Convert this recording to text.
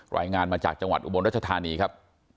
รายงานมาจากจังหวัดอุบลรัชธานีครับ